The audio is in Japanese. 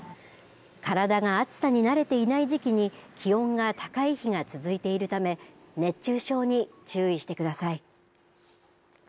体が暑さに慣れていない時期に気温が高い日が続いているため熱中症に注意してください。